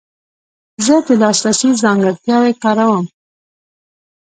زه د لاسرسي ځانګړتیاوې کاروم.